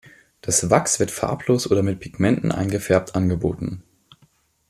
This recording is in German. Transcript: Das Wachs wird farblos oder mit Pigmenten eingefärbt angeboten.